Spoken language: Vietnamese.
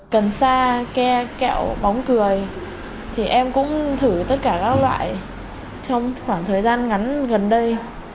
cần sa keo bóng cười thì em cũng thử tất cả các loại trong khoảng thời gian ngắn gần đây